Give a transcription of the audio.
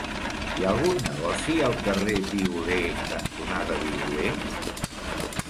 Hi ha algun negoci al carrer Violer cantonada Violer?